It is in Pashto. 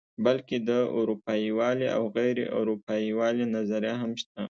بلکې د اروپايي والي او غیر اروپايي والي نظریه هم شته.